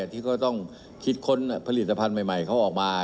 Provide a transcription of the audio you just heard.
ที่ก็ต้องคิดค้นผลิตภัณฑ์ใหม่เขาออกมา